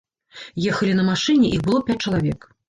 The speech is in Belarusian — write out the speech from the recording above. Ехалі на машыне, іх было пяць чалавек.